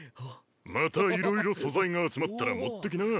またいろいろ素材が集まったら持ってきな。